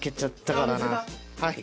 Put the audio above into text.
はい。